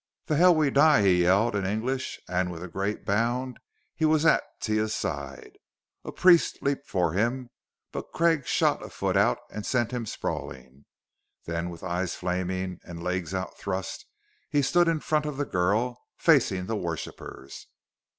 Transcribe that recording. "The hell we die!" he yelled, in English, and with a great bound he was at Taia's side. A priest leaped for him, but Craig shot a foot out and sent him sprawling. Then, with eyes flaming and legs outthrust, he stood in front of the girl, facing the worshippers.